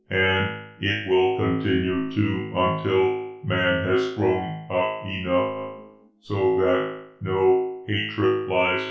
And it will continue to until Man has grown up enough so that no hatred lies within him."